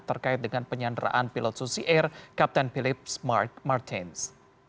terkait dengan penyanderaan pilot susi air kapten philips mark martins